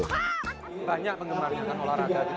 banyak pengembang yang akan olahraga